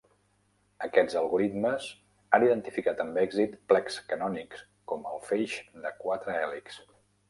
Aquests algoritmes han identificat amb èxit plecs canònics com el feix de quatre hèlixs.